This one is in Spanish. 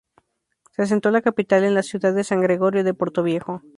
Se asentó la capital en la ciudad de San Gregorio de Portoviejo.